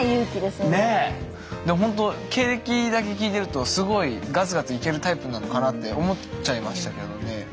でもほんと経歴だけ聞いてるとすごいガツガツいけるタイプなのかなって思っちゃいましたけどね。